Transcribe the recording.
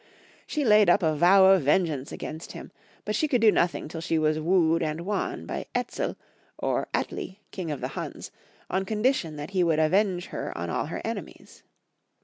She laid up a vow of vengeance against liim, but she could do nothing till she was wooed and won by Etzel or Atli, king of the Huns, on condition that he would avenge her on all her enemies.